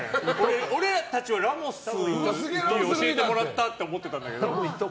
俺たちはラモスに教えてもらったって思ってたんだけど。